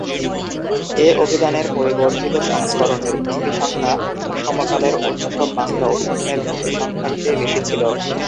এ অভিধানের পরিবর্ধিত সংস্করণের ভুক্তিসংখ্যা সমকালের অন্য সব বাংলা অভিধানের ভুক্তিসংখ্যার চেয়ে বেশি ছিল।